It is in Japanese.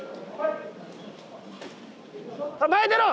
前へ出ろ。